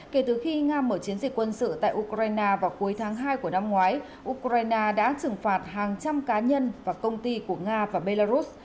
kể từ khi nga mở chiến dịch quân sự tại ukraine vào cuối tháng hai của năm ngoái ukraine đã trừng phạt hàng trăm cá nhân và công ty của nga và belarus